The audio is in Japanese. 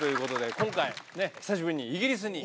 今回ね久しぶりにイギリスに。